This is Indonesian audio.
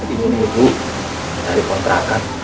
ini ibu cari kontrakan